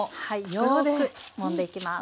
よくもんでいきます。